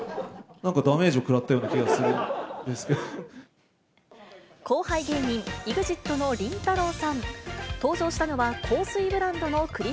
なんかダメージを食らったような気がする後輩芸人、ＥＸＩＴのりんたろー。